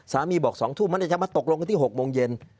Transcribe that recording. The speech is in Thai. บอก๒ทุ่มมันจะมาตกลงกันที่๖โมงเย็น